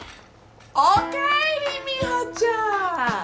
おかえり美帆ちゃん！